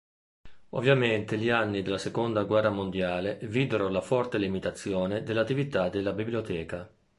Ovviamente gli anni della seconda guerra mondiale videro la forte limitazione dell'attività della biblioteca.